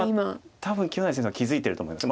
多分清成先生は気付いていると思います。